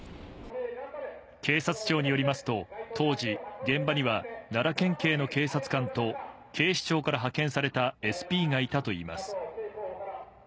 警察庁によりますと、当時、現場には奈良県警の警察官と警視庁から派遣されたＳＰがいたといいます。